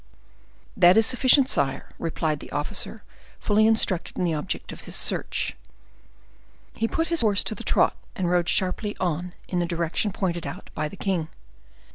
"That is sufficient, sire," replied the officer, fully instructed in the object of his search. He put his horse to the trot, and rode sharply on in the direction pointed out by the king.